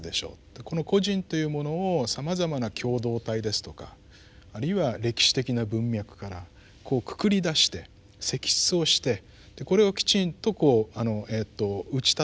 この個人というものをさまざまな共同体ですとかあるいは歴史的な文脈からこうくくりだして析出をしてこれをきちんとこう打ち立てると。